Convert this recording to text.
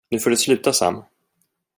Nu får du sluta, Sam!